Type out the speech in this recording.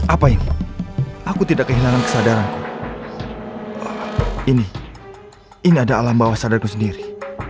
apa ini aku tidak kehilangan kesadaran ini ini adalah alam bawah sadarku sendiri